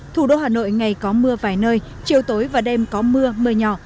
thủ đô hà nội ngày có mưa vài nơi chiều tối và đêm có mưa mưa nhỏ